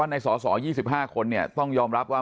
ที่ไม่มีนิวบายในการแก้ไขมาตรา๑๑๒